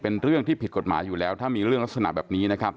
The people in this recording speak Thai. เป็นเรื่องที่ผิดกฎหมายอยู่แล้วถ้ามีเรื่องลักษณะแบบนี้นะครับ